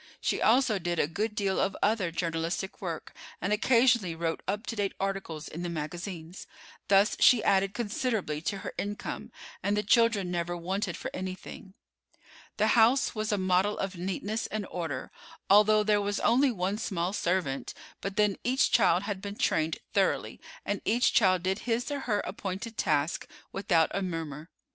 She also did a good deal of other journalistic work, and occasionally wrote up to date articles in the magazines. Thus she added considerably to her income, and the children never wanted for anything. The house was a model of neatness and order, although there was only one small servant; but then each child had been trained thoroughly, and each child did his or her appointed task without a murmur.